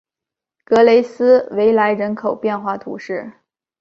格雷斯维莱人口变化图示